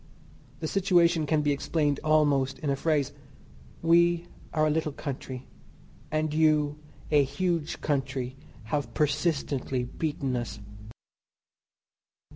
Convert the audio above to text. The situation can be explained almost in a phrase. We are a little country and you, a huge country, have persistently beaten us.